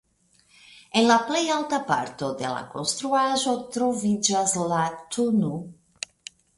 En la plej alta parto de la konstruaĵo troviĝas la tn.